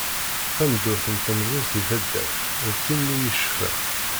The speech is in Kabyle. Tameddurt n temẓi-s di taddart d ttin mu yecfa.